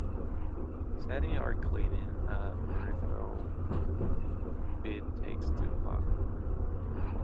Setting or clearing a peripheral bit takes two clocks.